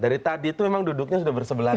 dari tadi itu memang duduknya sudah bersebelahan